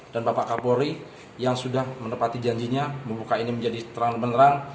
dan bapak kapolri yang sudah menepati janjinya membuka ini menjadi terang dan beneran